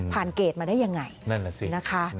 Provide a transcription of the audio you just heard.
ผ่านเกรดมาได้ยังไงนะคะ